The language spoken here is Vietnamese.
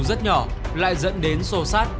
rất nhỏ lại dẫn đến sô sát